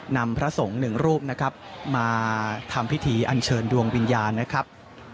พระสงฆ์หนึ่งรูปนะครับมาทำพิธีอันเชิญดวงวิญญาณนะครับ